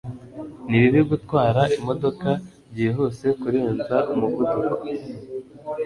ni bibi gutwara imodoka byihuse kurenza umuvuduko